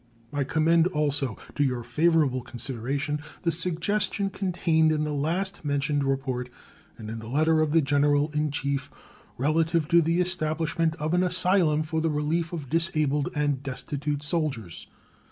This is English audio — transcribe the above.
I commend also to your favorable consideration the suggestion contained in the last mentioned report and in the letter of the General in Chief relative to the establishment of an asylum for the relief of disabled and destitute soldiers.